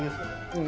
うん。